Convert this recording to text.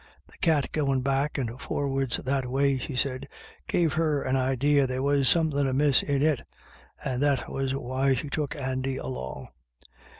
" The cat goin* back and for'ards that way," she said, " gave her an idee there was somethin* amiss in it, and that was why she took Andy along.